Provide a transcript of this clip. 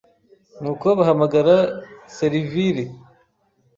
Ni uko bahamagara serviri